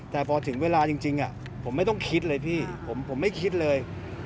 แต่พอถึงเวลาจริงผมไม่ต้องคิดเลยพี่ผมไม่คิดเลย